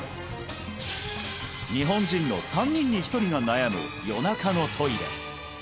日本人の３人に１人が悩む夜中のトイレ